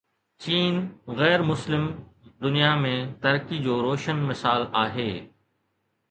چين غير مسلم دنيا ۾ ترقي جو روشن مثال آهي.